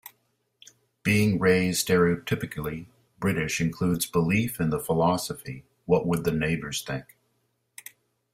Being raised stereotypically British includes belief in the philosophy: What would the neighbours think?